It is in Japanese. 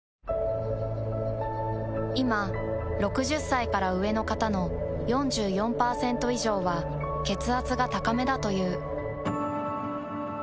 いま６０歳から上の方の４４％以上は血圧が高めだという。